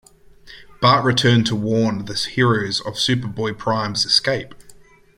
Bart returned to warn the heroes of Superboy-Prime's escape.